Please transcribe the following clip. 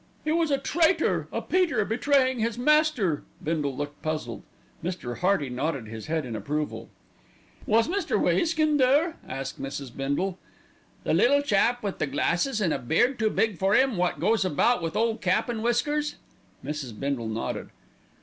"He was a traitor, a Peter betraying his master." Bindle looked puzzled, Mr. Hearty nodded his head in approval. "Was Mr. Wayskin there?" asked Mrs. Bindle. "The little chap with the glasses an' a beard too big for 'im, wot goes about with Ole Cap an' Whiskers?" Mrs. Bindle nodded.